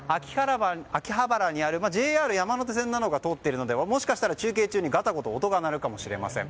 秋葉原にあるＪＲ山手線などが通っているのでもしかしたら中継中にガタゴト音が鳴るかもしれません。